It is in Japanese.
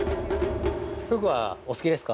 ◆ふぐは、お好きですか？